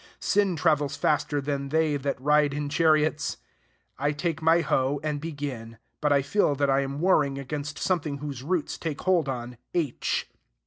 Sin travels faster than they that ride in chariots. I take my hoe, and begin; but I feel that I am warring against something whose roots take hold on H.